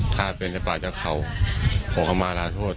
ถ้าเป็นไปจากผมขอขอบคุณภาพลาโทษ